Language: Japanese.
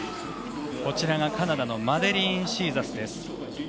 こちらがカナダのマデリン・シーザスです。